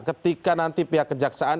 ketika nanti pihak kejaksaan